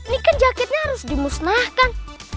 ini kan jaketnya harus dimusnahkan